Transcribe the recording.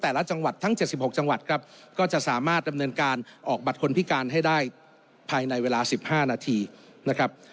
แต่ละจังหวัดทั้ง๗๖จังหวัดครับก็จะสามารถดำเนินการออกบัตรคนพิการให้ได้ภายในเวลา๑๕นาทีนะครับ